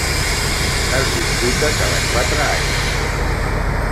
Es disputa cada quatre anys.